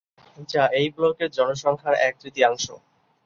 যা এই ব্লকের জনসংখ্যার এক-তৃতীয়াংশ।